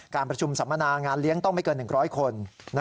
การประชุมสัมมนางานเลี้ยงต้องไม่เกิน๑๐๐คน